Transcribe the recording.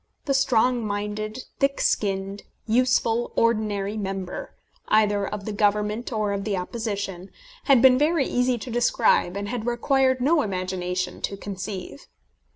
The strong minded, thick skinned, useful, ordinary member, either of the Government or of the Opposition, had been very easy to describe, and had required no imagination to conceive.